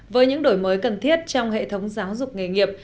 với những đổi mới cần thiết trong hệ thống giáo dục nghề nghiệp